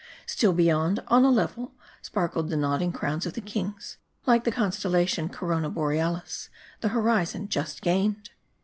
Still beyond, on a level, sparkled the nodding crowns of the kings, like the con stellation Corona Borealis, the horizon just gained.